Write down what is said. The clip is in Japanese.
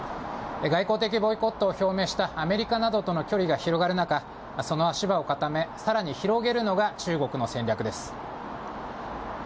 外交的ボイコットを表明したアメリカなどとの距離が広がる中、その足場を固め、さらに広げるのが中国の戦略です。